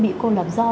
bị cô lập do